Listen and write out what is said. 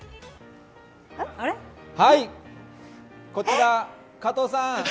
はい、こちら加藤さん！